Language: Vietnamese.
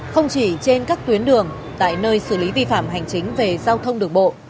không chỉ trên các tuyến đường tại nơi xử lý vi phạm hành chính về giao thông đường bộ